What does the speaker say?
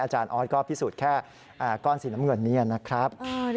อาจารย์ออสก็พิสูจน์แค่ก้อนสีน้ำเงินเนียนนะครับ